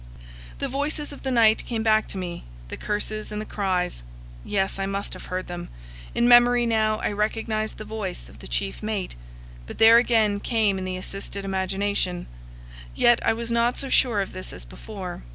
The voices of the night came back to me the curses and the cries. Yes, I must have heard them. In memory now I recognized the voice of the chief mate, but there again came in the assisted imagination. Yet I was not so sure of this as before.